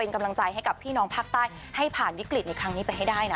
กำลังใจให้กับพี่น้องภาคใต้ให้ผ่านวิกฤตในครั้งนี้ไปให้ได้นะ